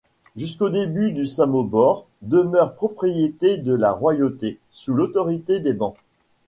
Jusqu'au début du Samobor demeure propriété de la royauté, sous l'autorité des Bans.